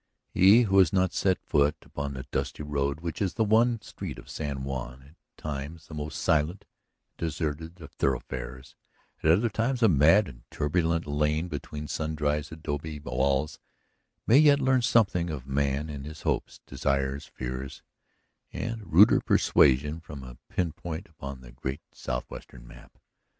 He who has not set foot upon the dusty road which is the one street of San Juan, at times the most silent and deserted of thoroughfares, at other times a mad and turbulent lane between sun dried adobe walls, may yet learn something of man and his hopes, desires, fears and ruder passions from a pin point upon the great southwestern map.